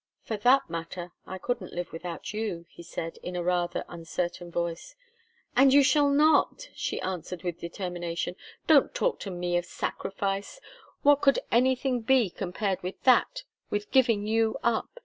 "For that matter, I couldn't live without you," he said, in a rather uncertain voice. "And you shall not!" she answered, with determination. "Don't talk to me of sacrifice what could anything be compared with that with giving you up?